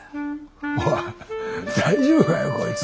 おい大丈夫かよこいつ。